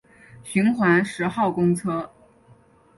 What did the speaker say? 循环十号公车